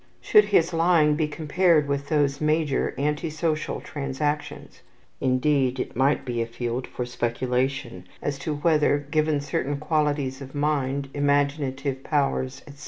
Should his lying be compared with these major anti social transactions? Indeed, it might be a field for speculation as to whether, given certain qualities of mind, imaginative powers, etc.